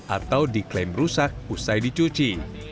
atau diklaim rusak usai dicuci